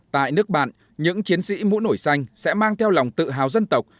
tại nước bạn những chiến sĩ mũ nổi xanh sẽ mang theo lòng tự hào dân tộc